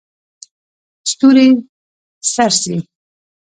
ستوري څرڅي.